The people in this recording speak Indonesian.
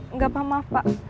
enggak pak maaf pak